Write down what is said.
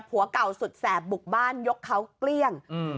ผัวเก่าสุดแสบบุกบ้านยกเขาเกลี้ยง